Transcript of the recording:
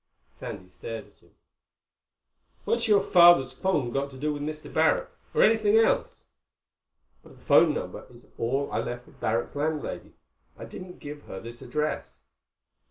Sandy stared at him. "What's your father's phone got to do with Mr. Barrack—or anything else?" "But the phone number is all I left with Barrack's landlady. I didn't give her this address."